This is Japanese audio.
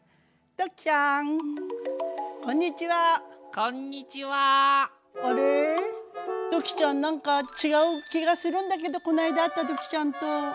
土器ちゃんなんか違う気がするんだけどこの間会った土器ちゃんと。